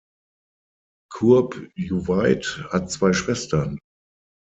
Kurbjuweit hat zwei Schwestern.